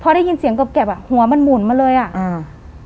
พอได้ยินเสียงเกือบเก็บอ่ะหัวมันหมุนมาเลยอ่ะอ่า